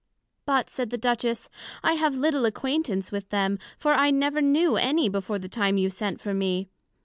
But, said the Duchess, I have little acquaintance with them, for I never knew any before the time you sent for me.